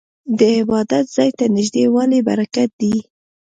د عبادت ځای ته نږدې والی برکت دی.